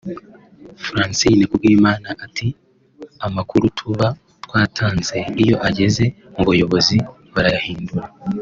Francine Kubwimana ati “Amakuru tuba twatanze iyo ageze mu buyobozi barayahindura